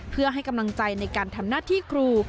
เพื่อให้กำลังใจในการทำหน้าที่ครู